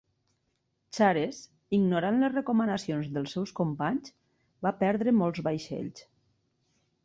Chares, ignorant les recomanacions dels seus companys, va perdre molts vaixells.